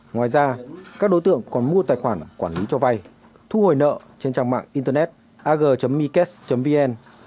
ngoài ra các đối tượng còn mua tài khoản quản lý cho vay thu hồi nợ trên trang mạng internet ag mycas vn